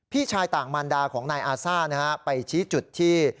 พี่ชายต่างมารดาของนายอาซ่านะฮะไปชี้จุดที่